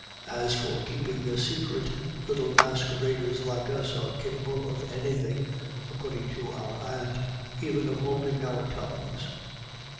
As for keeping the secret, little masqueraders like us are capable of anything (according to our aunt), even of holding our tongues.